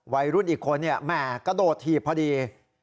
วัยรุ่นอีกคนเนี่ยแหม่กระโดดถีบพอดี